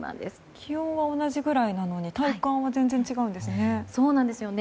気温は同じぐらいなのに体感は違うんですね。